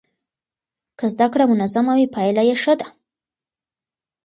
که زده کړه منظمه وي پایله یې ښه ده.